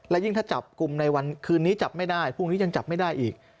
และยิ่งถ้าจับกลุ่มในวันคืนนี้จับไม่ได้พรุ่งนี้ยังจับไม่ได้อีก